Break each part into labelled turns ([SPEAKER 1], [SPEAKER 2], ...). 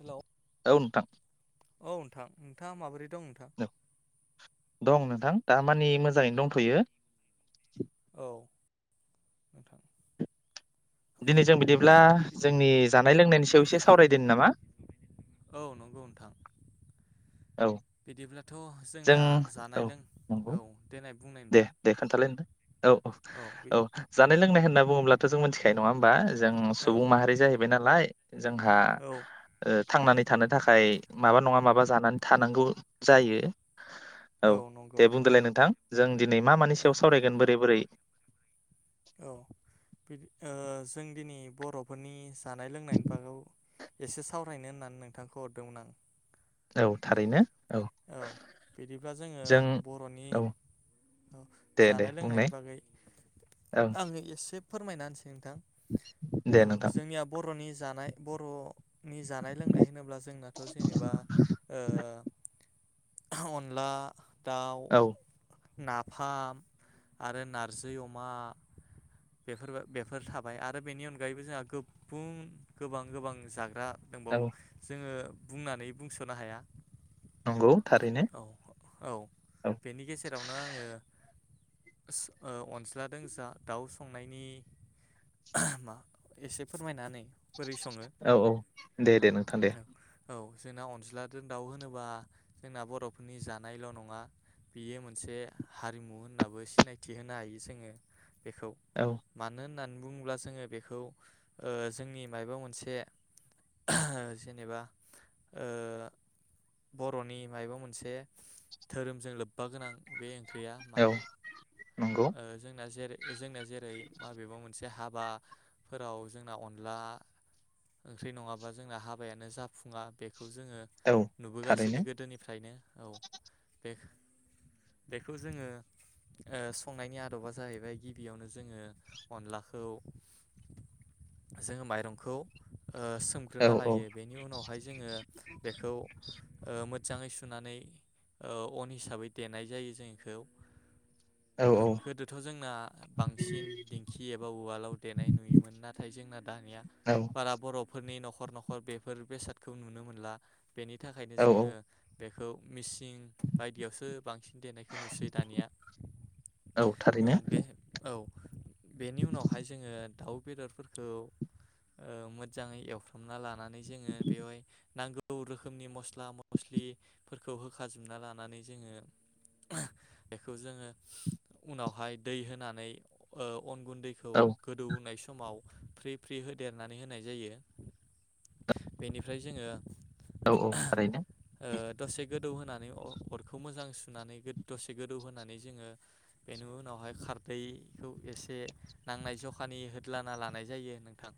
[SPEAKER 1] Hello
[SPEAKER 2] औ नोथां
[SPEAKER 1] औ नोंथां नोंथाङा माबोरै दं नोंथां
[SPEAKER 2] दं नोंथां? दामानि मोजाङैनो दंथयो।
[SPEAKER 1] औ नोंथां।
[SPEAKER 2] दिनै जों बिदिब्ला जोंनि जानाय लोंनायनि सायाव एसे सावरायदोनि नामा?
[SPEAKER 1] औ नंगौ नोंथां।
[SPEAKER 2] औ
[SPEAKER 1] बिदिब्लाथ
[SPEAKER 2] जों
[SPEAKER 1] जोंना
[SPEAKER 2] औ
[SPEAKER 1] जानाय लों
[SPEAKER 2] नंगौ
[SPEAKER 1] औ देनाय बुंनाय
[SPEAKER 2] दे
[SPEAKER 1] नोंथां
[SPEAKER 2] दे खोन्थालाय नोंथां। औ औ औ जानाय लोंनाय होनोब्ला होन्ना बुङोब्लाथ' जों मिथिखायो नङा होनबा? जों
[SPEAKER 1] औ
[SPEAKER 2] सुबुं माहारि जाहैबाय नालाय। जोंहा
[SPEAKER 1] औ
[SPEAKER 2] थांनानै थानो थाखाय थाखाय माबा नङा माबा जानानै थानांगौ जायो। ं औ दे बुंदोलाय नोंथां? जों दिनै मा मानि
[SPEAKER 1] औ
[SPEAKER 2] सायाव सावरायगोन बोरै बोरै?
[SPEAKER 1] औ बिदि जों दिनै बरफोरनि जानाय लोंनायनि बागौ एसे सावरायनो होननानै नोंथांखौ हरदोंमोन आं।
[SPEAKER 2] औ
[SPEAKER 1] नोंथां
[SPEAKER 2] थारैनो
[SPEAKER 1] औ बिदिब्ला जोङो
[SPEAKER 2] जों
[SPEAKER 1] बरनि
[SPEAKER 2] औ
[SPEAKER 1] औ
[SPEAKER 2] दे दे
[SPEAKER 1] जानाय लोंनायनि
[SPEAKER 2] बुंनाय
[SPEAKER 1] बागै
[SPEAKER 2] औ
[SPEAKER 1] आङो एसे फोरमायना होनिसै नोंथां
[SPEAKER 2] दे
[SPEAKER 1] औ
[SPEAKER 2] नोंथां
[SPEAKER 1] जोंनिया बरनि जानाय बरनि जानाय लोंनाय होनोब्ला जोंनाथ जेनेबा ओ [unintelligible] अनला दाउ।
[SPEAKER 2] औ
[SPEAKER 1] नाफाम आरो नारजै अमा। बेफोरबो बेफोर थाबाय आरो बेनि अनगायैबो जोंहा गुबुं गोबां गोबां जाग्रा
[SPEAKER 2] औ
[SPEAKER 1] दंबावो जोङो बुंनानै बुंसनो हाया।
[SPEAKER 2] नंगौ थारैनो
[SPEAKER 1] औ औ
[SPEAKER 2] औ
[SPEAKER 1] बेनि गेजेरावनो आङो ओस ओ अनस्ला दोंसा दाउ संनायनि मा एसे फोरमायना होनाय
[SPEAKER 2] औ औ दे दे नोंथां दे
[SPEAKER 1] औ औ जोंना अनज्लादो दाउ होनोबा जोंना बरफोरनि जानायल नङा बियो मोनसे हारिमु होननाबो सिनायथि होनो हायो जोङो। बेखौ
[SPEAKER 2] औ
[SPEAKER 1] मानो होननानै बुङोब्ला जोङो बेखौ ओ जोंनि मायबा मोनसे ओ जेनेबा ओ बर'नि मायबा मोनसे धोरोमजों लोब्बा गोनां बे ख्रैया मा
[SPEAKER 2] औ नंगौ
[SPEAKER 1] ओ जोंना जेर जोंना जेरै माबेबा मोनसे हाब बा फोराव जोंना अनला ओंख्रि नङाबा जोंना हाबायानो जाफुङा बे खौ जोङो
[SPEAKER 2] औ
[SPEAKER 1] नुबोगासिनो
[SPEAKER 2] थारैनो
[SPEAKER 1] गोदोनिफ्रायनो। औ बेख-बेखौ जोङो ओ संनायनि आदबा जाहैबाय गिबियावनो जोङो अनलाखौ जोङो माइरंखौ ओ
[SPEAKER 2] औ
[SPEAKER 1] सोमग्रोना
[SPEAKER 2] औ
[SPEAKER 1] लायो बेनि उनावहाय जोङो बेखौ ओ मो जाङै सुनानै ओ अन हिसाबै देनाय जायो जों इखौ ओ
[SPEAKER 2] औ
[SPEAKER 1] गोदोथ' जोंना बांसिन दिंखि एबा उवालाव देनाय नुयोमोन नाथाय जोंना दानिया
[SPEAKER 2] औ
[SPEAKER 1] बारा बरफोरनि नख खर नखर बेफोर बेसादखौ नुनो मोनला। बेनि थाखायनो
[SPEAKER 2] औ
[SPEAKER 1] जोङो बेखौ मिसिं बायदियावसो बांसिन देनायखौ नुसै दानिया।
[SPEAKER 2] औ थारैनो
[SPEAKER 1] औ बेनि उनावहाय जोङो दाउ बेदरफोरखौ ओ मोजाङै एवफ्रामना लाना नै जोङो बेवाइ नांगौ गौ रोखोमनि मस्ला मस्लिफोरखौ होखाजोबना लानानै जोङो बेखौ जोङो उनावहाय दै होनानै ओ अन गुन्दैखौ
[SPEAKER 2] औ
[SPEAKER 1] गोदौहोनाय स समाव फ्रि फ्रि होदेरनानै होनाय जायो बेनिफ्राय जोङो
[SPEAKER 2] औ औ थारैनो
[SPEAKER 1] दसे गोदौ होनानै अर-अरखौ मोजां सुनानै गो दसे गोदौ होनानै जोङो बेनि उनावहाय खारदैखौ एसे नांनाय जखानि होदलाना लानाय जायो नोंथां।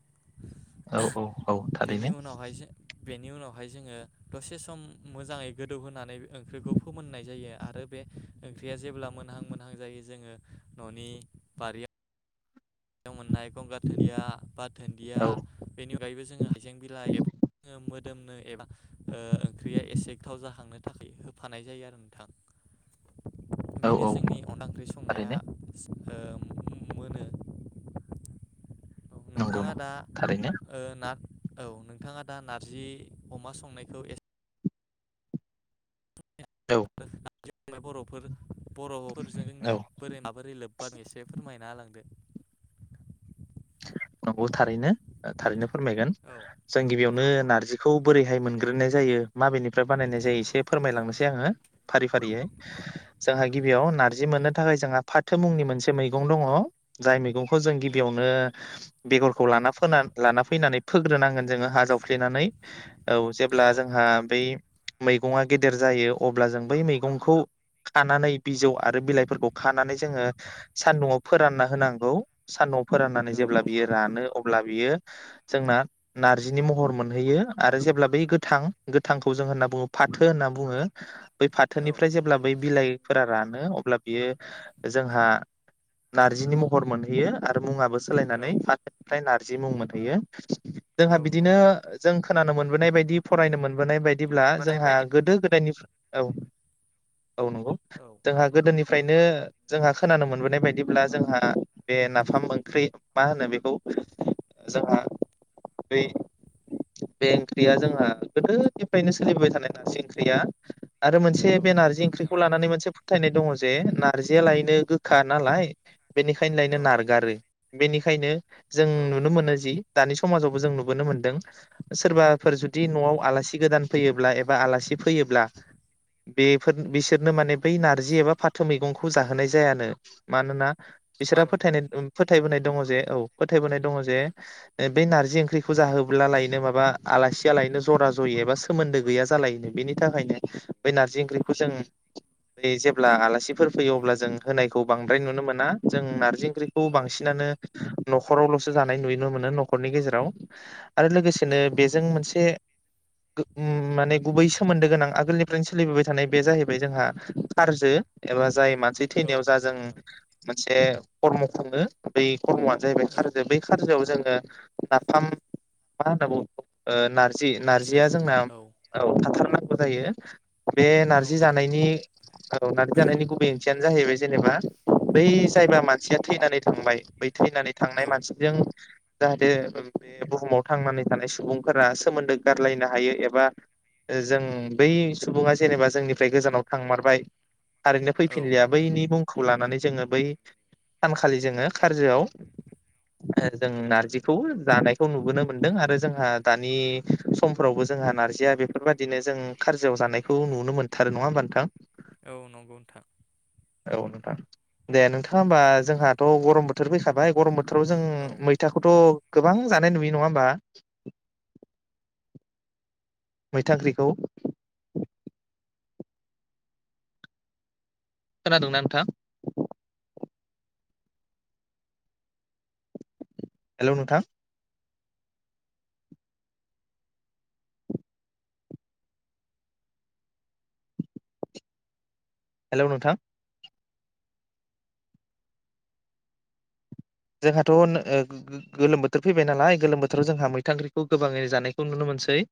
[SPEAKER 2] औ औ औ
[SPEAKER 1] बेनि
[SPEAKER 2] थारैनो
[SPEAKER 1] उनावहाय जो बेनि उनावहाय जोङो दसे सम मोजाङै गोदौहोनानै ओंख्रिखौ फोमोननाय जायो आरो बे ओंख्रिया जेब्ला मोनहां मोन हां जायो जोङो ननि बारियाव मोननाय गंगार धोनिया बा धोनन्दिया
[SPEAKER 2] औ
[SPEAKER 1] बेनि अनगायैबो जोङो हाइजें बिलाइ [unintelligible] मोदोमनो एबा ओ ओंख्रिया एसे गोथाव जाखांनो थाखाय होफानाय जायो आरो नोंथां।
[SPEAKER 2] औ
[SPEAKER 1] बिदिनो
[SPEAKER 2] औ
[SPEAKER 1] जोंनि अनला ओंख्रि संनाया
[SPEAKER 2] थारैनो
[SPEAKER 1] ओ मोनो औ
[SPEAKER 2] नंगौ
[SPEAKER 1] नोंथाङा
[SPEAKER 2] नंगौ
[SPEAKER 1] दा
[SPEAKER 2] थारैनो
[SPEAKER 1] ओ ना औ नोंथाङा दा नार्जि अमा संनायखौ एसे [unintelligible]
[SPEAKER 2] औ
[SPEAKER 1] बर'फोर बर'फोरजों जोंनि
[SPEAKER 2] औ
[SPEAKER 1] बोरै माबोरै लोब्बा एसे फोरमायना होलांदो।
[SPEAKER 2] नंगौ थारैनो। थारैनो फोरमायगोन
[SPEAKER 1] औ
[SPEAKER 2] जों गिबियावनो नार्जि जिखौ बोरैहाय मोनग्रोनाय जायो माबेनिफ्राय बानायनाय जायो एसे फोरमायलांनोसै आङो फारि फारियै। जोंहा गिबियाव नार्जि मोननो थाखाय जोंहा फाथो मुंनि मोनसे मैगं दङ जाय मैगं खौ जों
[SPEAKER 1] औ
[SPEAKER 2] गिबियावनो
[SPEAKER 1] नंगौ नोंथां
[SPEAKER 2] बेगरखौ लाना फोना लाना फैनानै फोग्रोनांगोन जोङो हा जावफ्लेनानै औ
[SPEAKER 1] औ
[SPEAKER 2] जेब्ला जोंहा बै मैगङा गेदेर जायो अब्ला जों बै मैगंखौ खानानै बिजौ आरो बिलाइफोरखौ खानानै जोङो सान्दुआव फोरान्ना होनांगौ सान्दुआव फोरान्नानै
[SPEAKER 1] औ
[SPEAKER 2] जेब्ला
[SPEAKER 1] नंगौ
[SPEAKER 2] बियो रानो अब्ला बेयो जोंना नार्जिनि महर मोनहैयो आरो जेब्ला बे गोथां गोथांखौ जों होन्ना बुङो फाथो होन्ना बुङो। बै
[SPEAKER 1] औ
[SPEAKER 2] फाथोनिफ्राय जेब्ला
[SPEAKER 1] नंगौ
[SPEAKER 2] बै
[SPEAKER 1] नोंथां
[SPEAKER 2] बिलाइफोरा रानो अ अब्ला बियो जोंहा नार्जिनि महर मोनहैयो आरो मुङाबो
[SPEAKER 1] औ
[SPEAKER 2] सोलायनानै फाथोनिफ्राय नार्जि जि मुं मोनहैयो। जोंहा
[SPEAKER 1] औ
[SPEAKER 2] बिदिनो
[SPEAKER 1] नंगौ
[SPEAKER 2] जों खोनानो मोनो बोनाय बायदि फरायनो मोनबोनाय बायदि बादिब्ला
[SPEAKER 1] बोनाय
[SPEAKER 2] जोंहा
[SPEAKER 1] बायदि
[SPEAKER 2] गोदो गोदायनिफ्राय औ। औ नंगौ
[SPEAKER 1] औ
[SPEAKER 2] जोंहा गोदोनि फ्रायनो जोंहा खोनानो मोनबोनाय बायदिब्ला जोंहा बे नाफाम ओख्रि मा होनो बेखौ जोंहा बै
[SPEAKER 1] औ।
[SPEAKER 2] बे ओंख्रिया जोंहा गोदोनिफ्रायनो सोलिबोबाय थानाय नार्जि ओंख्रिया आरो मोनसे
[SPEAKER 1] औ
[SPEAKER 2] बे नार्जि
[SPEAKER 1] नंगौ नोंथां
[SPEAKER 2] ओंख्रिखौ लानानै मोनसे फोथायनाय दङ जे नार्जियालायनो गोखा नालाय बेनिखायनो लायनो
[SPEAKER 1] औ
[SPEAKER 2] नारगारो। बेनिखायनो जों
[SPEAKER 1] औ
[SPEAKER 2] नुनो मोनो जि दानि समाजावबो जों नुबोनो मोन्दों सोरबाफोर जुदि न'आव आलासि गोदान फैयोब्ला एबा आलासि फैयोब्ला बेफोर बिसोरनो माने बै नार्जि एबा फाथो मैगंखौ जाहोनाय जायानो मानोना
[SPEAKER 1] औ
[SPEAKER 2] बिसोरहा फोथायनाय फोथायबोनाय दङ जे औ फोथायबोनाय दङ जे बेै नार्जि ओंख्रिखौ जाहोब्ला लायनो माबा आलासिया लायनो जरा जयो एबा सोमोन्दो गैया जालायोनो बेनि थाखायनो बै नार्जि ओंख्रिखौ जों जेब्ला आलासिफोर फैयो अब्ला जों होनायखौ बांद्राय नुनो मोना। जों नारजि ओंख्रि खौ
[SPEAKER 1] औ
[SPEAKER 2] बांसिनानो नखरावलसो जानाय नुयनो मोनो नखरनि गेजेराव। आरो
[SPEAKER 1] औ
[SPEAKER 2] लोगोसेनो
[SPEAKER 1] नंगौ
[SPEAKER 2] बेजों मोनसे गो उम माने गुबै सोमोन्दो गोनां आगोलनिफ्रायनो सोलिबोबाय थानाय बे जाहैबाय जोंहा कारजो एबा जाय मानसि
[SPEAKER 1] औ
[SPEAKER 2] थैनायाव जा
[SPEAKER 1] नंगौ
[SPEAKER 2] जों
[SPEAKER 1] नोंथां
[SPEAKER 2] जे कर्मखौ थाङो बै कर्मआ जाहैबाय
[SPEAKER 1] औ
[SPEAKER 2] कारजो बै कारजोआव जों ओ नाफाम मा होनना बुङो बेखौ ओ नार जि
[SPEAKER 1] नारजै
[SPEAKER 2] नारजिया जोंना
[SPEAKER 1] औ
[SPEAKER 2] औ थाथारनां फोथायो। बे
[SPEAKER 1] औ
[SPEAKER 2] नारजि
[SPEAKER 1] नंगौ
[SPEAKER 2] जानायनि औ नारजि जानायनि गुबै ओंथियानो जाहैबाय जेनेबा बै जायबा मानसिया थैनानै थांबाय बै थैनानै थांनाय
[SPEAKER 1] औ
[SPEAKER 2] मानसिजों जाहाथे बे बुहुमाव थांनानै थानाय सुबुंफोरा सोमोन्दो गारलायनो हायो एबा जों बै सुबुङा जेनेबा जोंनिफ्राय गोजानाव थांमारबाय थारैनो
[SPEAKER 1] औ
[SPEAKER 2] फैफिनलिया बैनि मुं खौ लानानै जोङो बै सानखालि जोङो खारजोआव ओ जों नार्जिखौ जानायखौ नुबोनो मोनदों आरो जोंहा दानि समफ्रावबो जोंहा नारजिया बेफोरबायादिनो जों खारजोआव जानायखौ नुनो मोनथारो। नङा होमबा नोंथां?
[SPEAKER 1] औ नंगौ नोंथां।
[SPEAKER 2] औ नोंथां दे नोंथाङा होमबा जोंहाथ गरम बोथोर फैखाबाय गरम बोथोर बोथोराव
[SPEAKER 1] औ
[SPEAKER 2] जों मैथाखौथ गोबां जानाय नुयो नङा होमबा? मैथा ओंख्रिखौ। खोनादोंना नोंथां? हेलौ नोंथां हेलौ नोंथां जोंहाथ ओ गो गो गोलोम बोथोर फैबाय नालाय गोलोम बोथोराव जोंहा मैथा ओंख्रिखौ गोबाङै जानायखौ नुनो मोनसै।